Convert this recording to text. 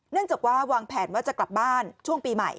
จากว่าวางแผนว่าจะกลับบ้านช่วงปีใหม่